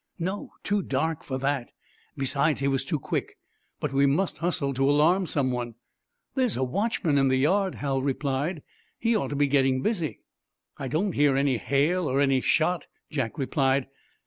"No; too dark for that, and, besides, he was too quick. But we must hustle to alarm someone." "There's a watchman in the yard," Hal replied. "He ought to be getting busy." "I don't hear any hail, or any shot," Jack replied.